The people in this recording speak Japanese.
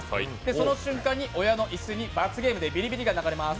その瞬間に親の椅子に罰ゲームでビリビリが流れます。